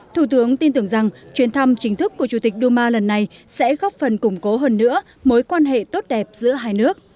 thủ tướng tin tưởng rằng chuyến thăm chính thức của chủ tịch đu ma lần này sẽ góp phần củng cố hơn nữa mối quan hệ tốt đẹp giữa hai nước